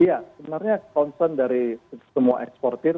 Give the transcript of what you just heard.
iya sebenarnya concern dari semua eksportir